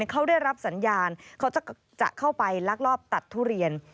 เขาได้รับสัญญาณเขาจะเข้าไปลักลอบตัดทุเรียน